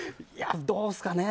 どうですかね。